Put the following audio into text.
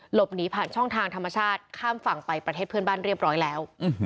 หลบหนีผ่านช่องทางธรรมชาติข้ามฝั่งไปประเทศเพื่อนบ้านเรียบร้อยแล้ว